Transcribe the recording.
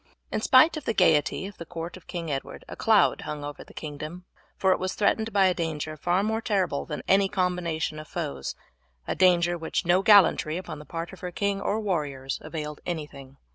In spite of the gaiety of the court of King Edward a cloud hung over the kingdom; for it was threatened by a danger far more terrible than any combination of foes a danger which no gallantry upon the part of her king or warriors availed anything.